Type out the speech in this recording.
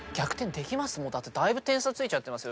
だいぶ点差ついちゃってますよ。